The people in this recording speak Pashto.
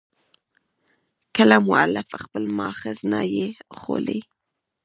کله مؤلف خپل مأخذ نه يي ښولى.